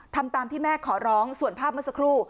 ทำตามที่แม่ขอร้องส่วนภาพเมื่อสักครู่